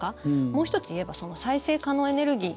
もう１つ言えば再生可能エネルギー